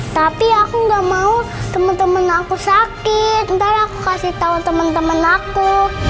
tapi aku gak mau temen temen aku sakit nanti aku kasih tau temen temen aku